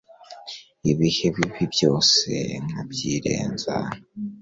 ibihe bibi byose nkabyirenza